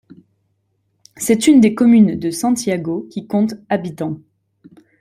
C'est une des communes de Santiago qui compte habitants.